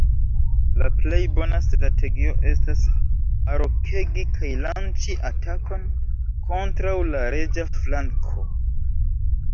La plej bona strategio estas arokegi kaj lanĉi atakon kontraŭ la reĝa flanko.